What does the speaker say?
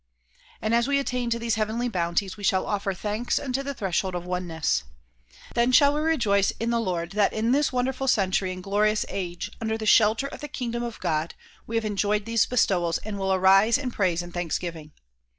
And as we attain to these heavenly bounties we shall offer thanks unto the threshold of oneness. Then shall we rejoice in the Lord that in this wonderful century and glorious age, under the shelter of the kingdom of God we have enjoyed these bestowals and will arise in praise and thanksgiving.